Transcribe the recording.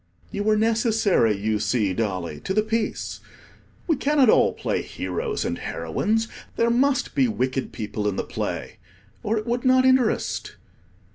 You were necessary, you see, Dolly, to the piece. We cannot all play heroes and heroines. There must be wicked people in the play, or it would not interest.